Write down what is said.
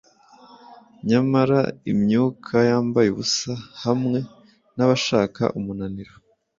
Nyamara imyuka yambaye ubusa hamwe nabashaka umunaniro